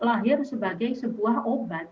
lahir sebagai sebuah obat